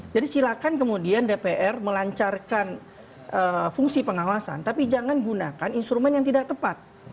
jadi silakan kemudian dpr melancarkan fungsi pengawasan tapi jangan gunakan instrumen yang tidak tepat